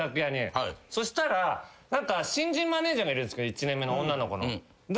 そしたら何か新人マネージャーがいるんですけど１年目の女の子の。